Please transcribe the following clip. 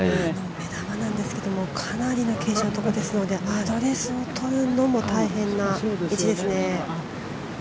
目玉なんですけどもかなりの傾斜のところですのでアドレスをとるのも大変な位置ですね。